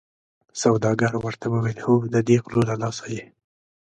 سوداګر ورته وویل هو ددې غلو له لاسه یې.